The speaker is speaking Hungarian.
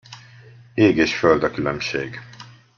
Ég és föld a különbség.